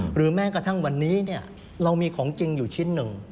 หรือแม้กระทั่งวันนี้เรามีของจริงอยู่ชิ้นหนึ่ง